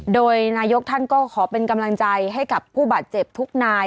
โดยนายกท่านก็ขอเป็นกำลังใจให้กับผู้บาดเจ็บทุกนาย